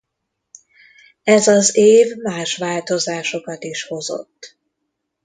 Ez az év más változásokat is hozott.